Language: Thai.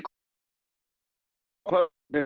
คนที่